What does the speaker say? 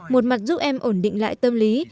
một mặt giúp em ổn định lại tâm lý